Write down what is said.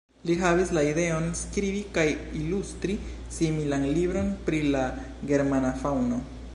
Li havis la ideon skribi kaj ilustri similan libron pri la germana faŭno.